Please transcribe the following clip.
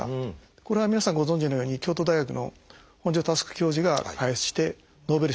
これは皆さんご存じのように京都大学の本庶佑教授が開発してノーベル賞をもらいましたね。